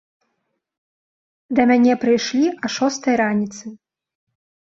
Да мяне прыйшлі а шостай раніцы.